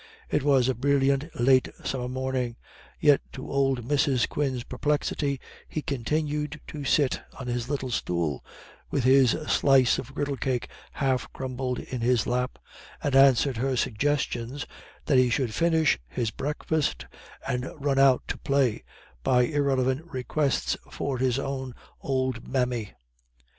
It was a brilliant late summer morning, yet to old Mrs. Quin's perplexity, he continued to sit on his little stool, with his slice of griddle cake half crumbled in his lap, and answered her suggestions that he should finish his breakfast, and run out to play, by irrelevant requests for his own ould mammy.